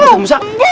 nggak mau usaz